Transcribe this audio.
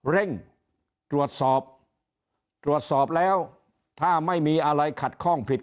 เร่งตรวจสอบตรวจสอบแล้วถ้าไม่มีอะไรขัดข้องผิด